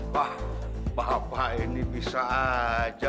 wah bapak ini bisa aja